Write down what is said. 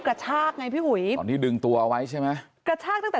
กระชากไงพี่อุ๋ยตอนที่ดึงตัวเอาไว้ใช่ไหมกระชากตั้งแต่